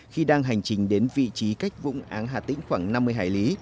khi đang hành trình đến vị trí cách vũng áng hà tĩnh khoảng năm mươi hải lý